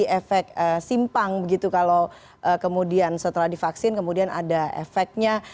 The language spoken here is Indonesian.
efek simpang begitu kalau kemudian setelah divaksin kemudian ada efeknya